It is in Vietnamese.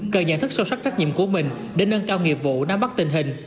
cần nhận thức sâu sắc trách nhiệm của mình để nâng cao nghiệp vụ nắm bắt tình hình